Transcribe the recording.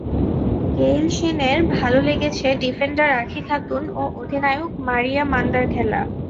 গেইলশেনের ভালো লেগেছে ডিফেন্ডার আঁখি খাতুন ও অধিনায়ক মারিয়া মান্দার খেলা।